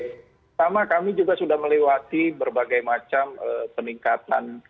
pertama kami juga sudah melewati berbagai macam peningkatan